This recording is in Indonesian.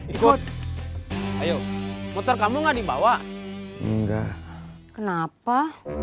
ikut ayo motor kamu nggak dibawa enggak kenapa